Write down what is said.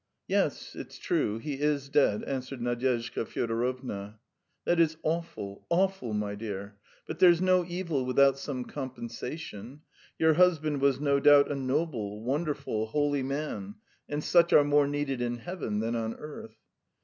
"Yes, it's true; he is dead," answered Nadyezhda Fyodorovna. "That is awful, awful, my dear! But there's no evil without some compensation; your husband was no doubt a noble, wonderful, holy man, and such are more needed in Heaven than on earth."